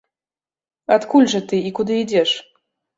Адкуль жа ты і куды ідзеш?